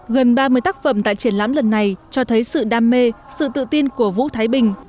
gần ba mươi tác phẩm tại triển lãm lần này cho thấy sự đam mê sự tự tin của vũ thái bình